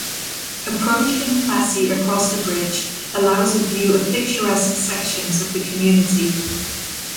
Approaching Plassey across the bridge allows a view of picturesque sections of the community.